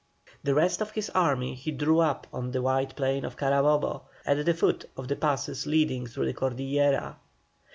The rest of his army he drew up on the wide plain of Carabobo, at the foot of the passes leading through the Cordillera.